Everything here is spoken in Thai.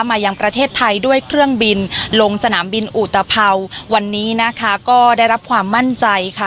มายังประเทศไทยด้วยเครื่องบินลงสนามบินอุตภัวร์วันนี้นะคะก็ได้รับความมั่นใจค่ะ